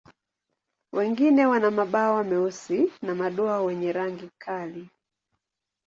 Wengine wana mabawa meusi na madoa wenye rangi kali.